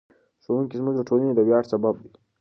ښوونکي زموږ د ټولنې د ویاړ سبب دي.